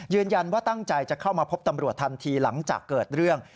ยืนยันว่าตั้งใจจะเข้ามาพบตำรวจทันทีหลังจากเกิดเรื่อง